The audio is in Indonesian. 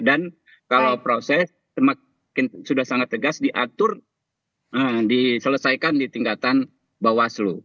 dan kalau proses sudah sangat tegas diatur diselesaikan di tingkatan bawah selu